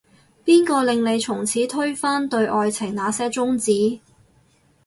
邊個令你從此推翻，對愛情那些宗旨